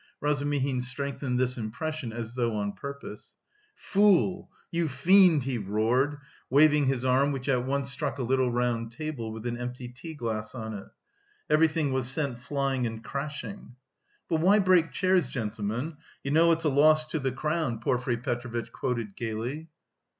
Razumihin strengthened this impression as though on purpose. "Fool! You fiend," he roared, waving his arm which at once struck a little round table with an empty tea glass on it. Everything was sent flying and crashing. "But why break chairs, gentlemen? You know it's a loss to the Crown," Porfiry Petrovitch quoted gaily.